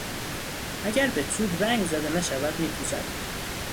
اگر به چوب رنگ زده نشود میپوسد.